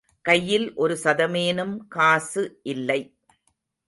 கையில் ஒருசதமேனும் காசு இல்லை.